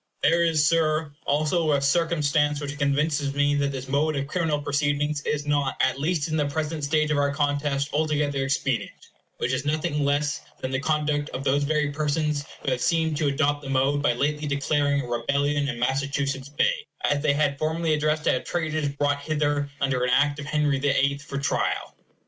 There is, Sir, also a circumstance which convinces me that this mode of criminal proceeding is not, at least in the present stage of our contest, altogether expedient; which is nothing less than the conduct of those very persons who have seemed to adopt that mode by lately declaring a rebellion in Massachusetts Bay, as they had formerly addressed to have traitors brought hither, under an Act of Henry the Eighth, for trial.